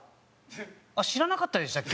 あっ知らなかったでしたっけ？